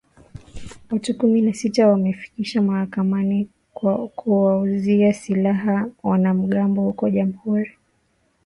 Watu kumi na sita wamefikishwa mahakamani kwa kuwauzia silaha wanamgambo huko jamuhuri ya kidemokrasia ya kongo